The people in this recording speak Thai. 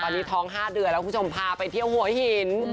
ตอนนี้ท้อง๕เดือนแล้วคุณผู้ชมพาไปเที่ยวหัวหิน